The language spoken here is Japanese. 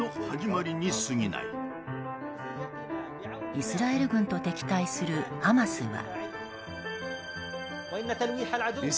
イスラエル軍と敵対するハマスは。